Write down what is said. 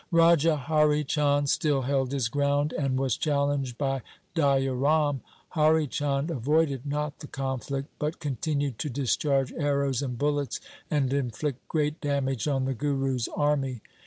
Raja Hari Chand still held his ground and was challenged by Daya Ram. Hari Chand avoided not the conflict, but continued to discharge arrows and bullets and inflict great damage on the Guru's army.